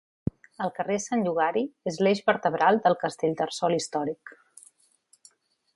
El carrer Sant Llogari és l'eix vertebral del Castellterçol històric.